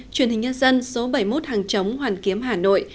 truyền hình nhân dân số bảy mươi một hàng chống hoàn kiếm hà nội